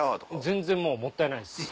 全然もうもったいないです。